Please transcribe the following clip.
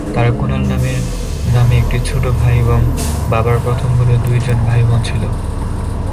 তার কুনাল নামে নামে একটি ছোট ভাই এবং বাবার প্রথম ঘরের দুই জন ভাইবোন ছিলো।